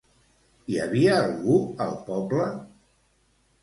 Hi havia algú al poble?